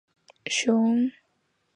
熊田圣亚是一位日本女童星。